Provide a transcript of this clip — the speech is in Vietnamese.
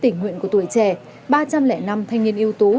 tình nguyện của tuổi trẻ ba trăm linh năm thanh niên yếu tố